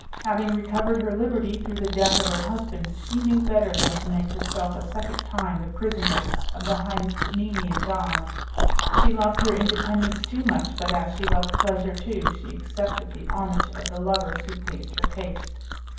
Having recovered her liberty through the death of her husband, she knew better than to make herself a second time the prisoner of the Hymenean god; she loved her independence too much; but as she loved pleasure too, she accepted the homage of the lovers who pleased her taste.